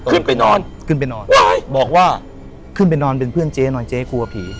ขึ้นไปนอนขึ้นไปนอนตายบอกว่าขึ้นไปนอนเป็นเพื่อนเจ๊นอนเจ๊กลัวผี